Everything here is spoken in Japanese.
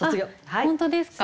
本当ですか？